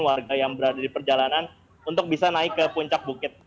warga yang berada di perjalanan untuk bisa naik ke puncak bukit